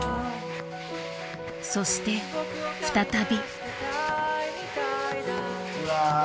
そして再び。